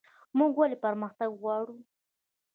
موږ ولې پرمختګ غواړو؟